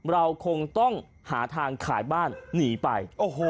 เราคงต้องหาทางขายบ้านหนีไป